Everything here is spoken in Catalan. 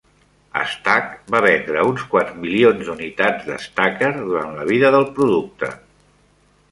Stac va vendre uns quants milions d'unitats d'Stacker durant la vida del producte.